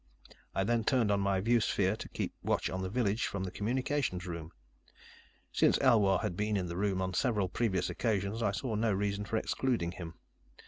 I then turned on my viewsphere to keep watch on the village from the communications room. Since Elwar had been in the room on several previous occasions, I saw no reason for excluding him.